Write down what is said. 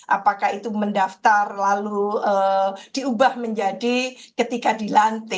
apakah itu mendaftar lalu diubah menjadi ketika dilantik